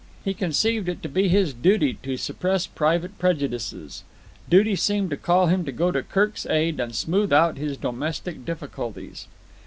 He conceived it to be his duty to suppress private prejudices. Duty seemed to call him to go to Kirk's aid and smooth out his domestic difficulties.